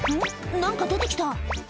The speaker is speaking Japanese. なんか出てきた。